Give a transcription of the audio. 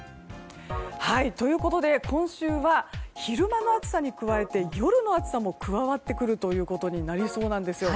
ということで、今週は昼間の暑さに加えて夜の暑さも加わってくるということになりそうなんです。